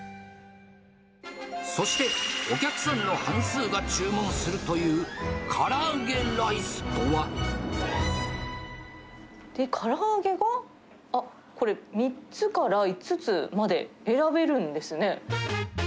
そして、お客さんの半数が注文するという、から揚げが、あっ、これ３つから５つまで選べるんですね。